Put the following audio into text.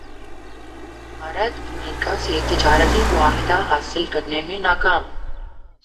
Bharat America سے تجارتی معاہدہ حاصل کرنے میں ناکام